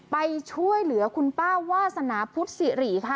ไปช่วยเหลือคุณป้าวาสนาพุทธศิริค่ะ